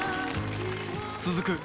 続く